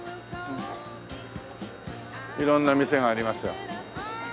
色んな店がありますよ。